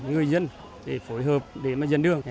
người dân để phối hợp để mà dân đường